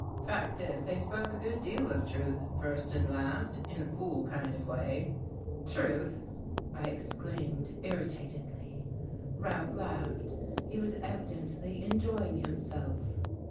Fact is, they spoke a good deal of truth, first and last, in a fool kind of way." "Truth!" I exclaimed irritatedly. Ralph laughed. He was evidently enjoying himself.